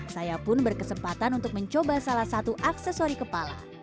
saya pun berkesempatan untuk mencoba salah satu aksesori kepala